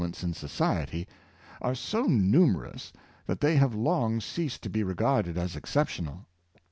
Garfield, 'in society, are so numerous that they have long ceased to be regarded as exceptional.